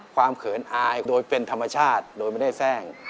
เขินอายโดยเป็นธรรมชาติโดยไม่ได้แทร่ง